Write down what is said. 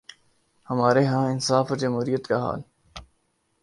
ہمارے ہاں انصاف اور جمہوریت کا حال۔